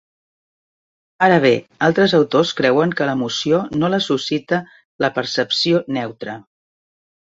Ara bé, altres autors creuen que l'emoció no la suscita la percepció neutra.